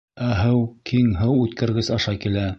Ә һыу киң һыу үткәргес аша килә.